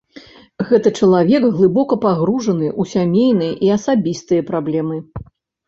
Гэта чалавек глыбока пагружаны ў сямейныя і асабістыя праблемы.